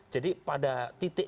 jadi pada titik